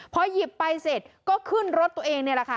พอหยิบไปเสร็จก็ขึ้นรถตัวเองนี่แหละค่ะ